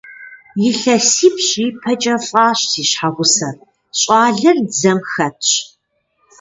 ИлъэсипщӀ ипэкӀэ лӀащ си щхьэгъусэр, щӀалэр дзэм хэтщ.